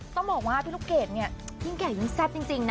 ต้องบอกว่าพี่ลูกเกดเนี่ยยิ่งแก่ยิ่งแซ่บจริงนะ